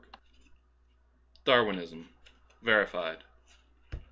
I. DARWmiSM VERIFIED.